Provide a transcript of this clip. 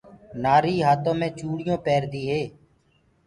نآريٚ هآتو مي چوڙِيونٚ پيرديٚ هي